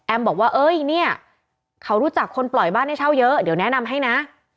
บอกว่าเอ้ยเนี่ยเขารู้จักคนปล่อยบ้านให้เช่าเยอะเดี๋ยวแนะนำให้นะ